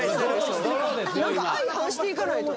何か相反していかないと。